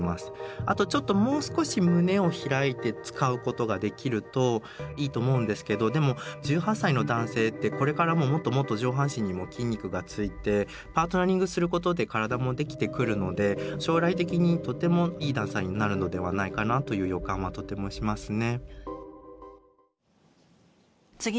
あとちょっともう少し胸を開いて使うことができるといいと思うんですけどでも１８歳の男性ってこれからももっともっと上半身にも筋肉がついてパートナリングすることで体もできてくるので将来的にとてもいいダンサーになるのではないかなという予感はとてもしますね。